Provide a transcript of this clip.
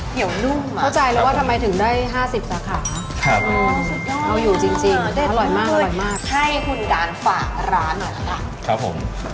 ให้คุณการฝากร้านหน่อยนะคะ